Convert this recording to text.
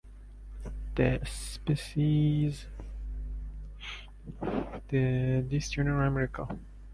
The species of this genus are found in Eurasia and Northern America.